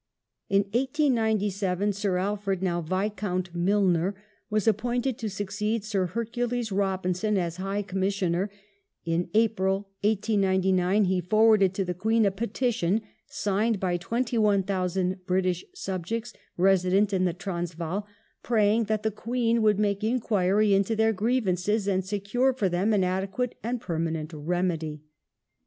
In 1897 Sir Alfred (now Viscount) Milner was appointed to succeed Sir Hercules Robinson as High Commissioner ; in April, 1899, he forwarded to the Queen a petition, signed by 21,000 British subjects resident in the Transvaal, praying that the Queen would make enquiry into their grievances and secure for them an adequate and permanent remedy.